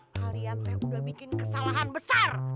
kalian teh udah bikin kesalahan besar